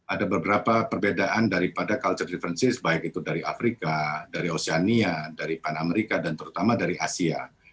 ada beberapa perbedaan daripada culture diferences baik itu dari afrika dari oceania dari pan amerika dan terutama dari asia